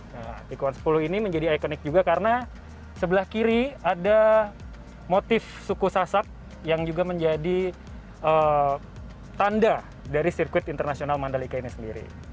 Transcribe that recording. nah tikuan sepuluh ini menjadi ikonik juga karena sebelah kiri ada motif suku sasak yang juga menjadi tanda dari sirkuit internasional mandalika ini sendiri